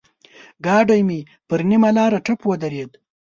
ګاډی مې پر نيمه لاره ټپ ودرېد.